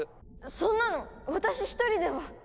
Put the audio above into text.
そんなの私１人では！